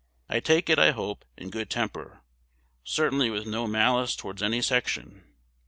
I take it, I hope, in good temper, certainly with no malice towards any section.